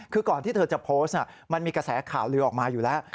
คือก่อนที่เธอจะโพสต์มันมีกระแสข่าวลือออกมาอยู่แล้ว